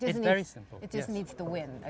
itu sangat mudah